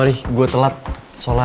maaf saya terlalu lambat